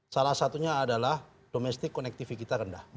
salah satunya adalah domestic connectivity kita rendah